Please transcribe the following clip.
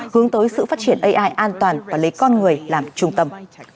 hướng tới sự phát triển ai an toàn và lấy con người làm trung tâm